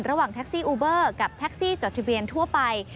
ระหว่างแท็กซี่อูเบอร์กับแท็กซี่จดทะเบียนทั่วไป